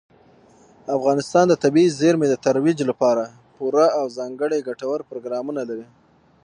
افغانستان د طبیعي زیرمې د ترویج لپاره پوره او ځانګړي ګټور پروګرامونه لري.